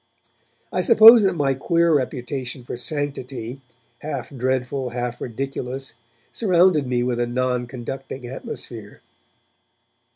I suppose that my queer reputation for sanctity, half dreadful, half ridiculous, surrounded me with a non conducting atmosphere.